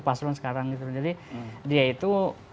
paslon sekarang gitu jadi dia itu